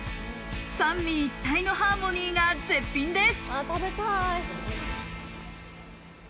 三位一体のハーモニーが絶品です。